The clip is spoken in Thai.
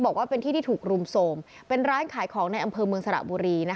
กฝ่าพ่อก็ขอบ